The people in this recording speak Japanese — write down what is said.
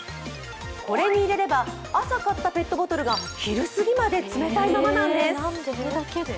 これに入れれば朝買ったペットボトルが昼過ぎまで冷たいままなんです。